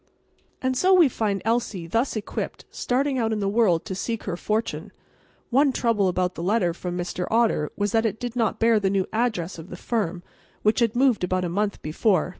And so we find Elsie, thus equipped, starting out in the world to seek her fortune. One trouble about the letter from Mr. Otter was that it did not bear the new address of the firm, which had moved about a month before.